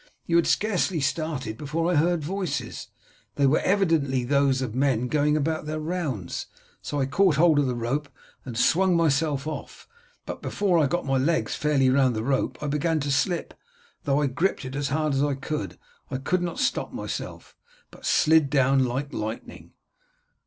You had scarcely started before I heard voices; they were evidently those of men going their rounds, so I caught hold of the rope and swung myself off, but before I got my legs fairly round the rope I began to slip, and though I gripped it as hard as I could I could not stop myself, but slid down like lightning."